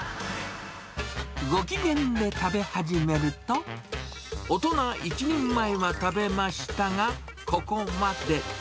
ご機嫌で食べ始めると、大人１人前は食べましたが、ここまで。